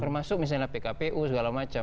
termasuk misalnya pkpu segala macam